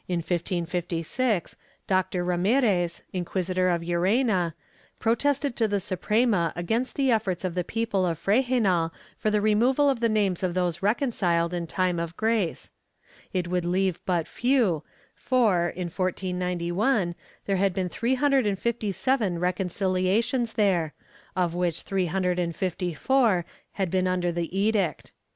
In 1556, Doctor Ra mirez, Inquisitor of Llerena, protested to the Suprema against the efforts of the people of Frejenal for the removal of the names of those reconciled in Time of Grace; it would leave but few for, in 1491, there had been three hundred and fifty seven reconciliations there, of which three hundred and fifty four had been under the Edict.